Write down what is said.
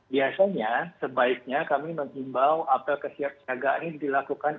biasanya sebaiknya kami menghimbau apel kesiapsiagaan ini dilakukan